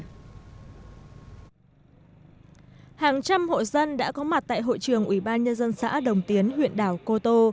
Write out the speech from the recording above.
hàng trăm hội dân đã có mặt tại hội trường ủy ban nhân dân xã đồng tiến huyện đảo cô tô